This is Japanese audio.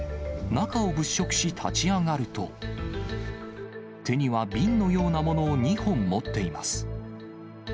中を物色し立ち上がると、手には瓶のようなものを２本持っています。